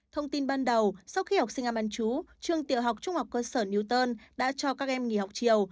thông tin ban đầu sau khi học sinh ăn ăn chú trường tiểu học trung học cơ sở newton đã cho các em nghỉ học chiều